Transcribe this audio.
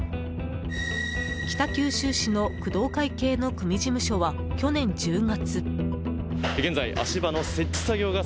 北九州市の工藤会系の組事務所は去年１０月。